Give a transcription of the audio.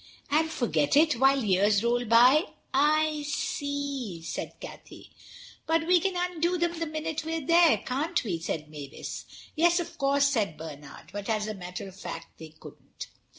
"And forget it while years roll by. I see," said Cathay. "But we can undo them the minute we're there. Can't we?" said Mavis. "Yes, of course," said Bernard; but as a matter of fact they couldn't.